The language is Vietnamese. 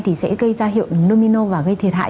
thì sẽ gây ra hiệu nomino và gây thiệt hại